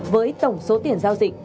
với tổng số tiền giao dịch